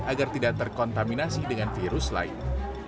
agar tidak terkontaminasi dengan virus lain